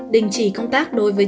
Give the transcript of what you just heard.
đình chỉ công tác đối với